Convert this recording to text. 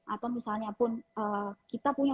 atau misalnya pun kita punya